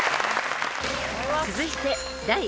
［続いて］